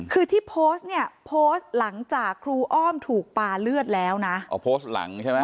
คือที่โพสต์เนี่ยโพสต์หลังจากครูอ้อมถูกปาเลือดแล้วนะอ๋อโพสต์หลังใช่ไหม